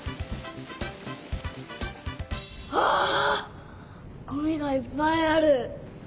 わあごみがいっぱいある！